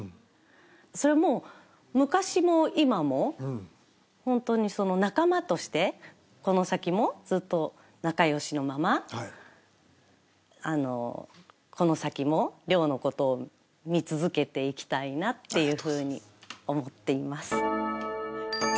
それはもう昔も今も、本当に仲間として、この先もずっと仲よしのまま、この先も亮のことを見続けていきたいなっていうふうに思っています。